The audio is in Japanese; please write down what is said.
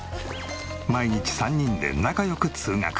毎日３人で仲良く通学。